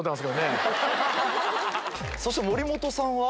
そして森本さんは？